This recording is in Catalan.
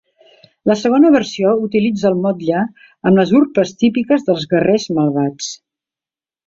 La segona versió utilitza el motlle amb les urpes típiques dels Guerrers Malvats.